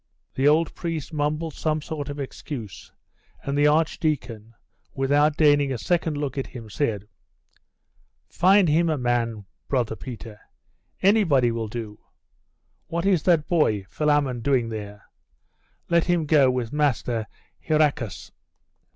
The old priest mumbled some sort of excuse, and the archdeacon, without deigning a second look at him, said 'Find him a man, brother Peter. Anybody will do. What is that boy Philammon doing there? Let him go with Master Hieracas.